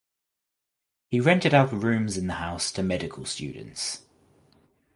He rented out rooms in the house to medical students.